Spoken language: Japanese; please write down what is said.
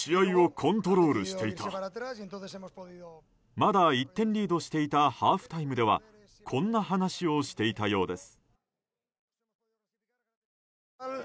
まだ１点リードしていたハーフタイムではこんな話をしていたようです。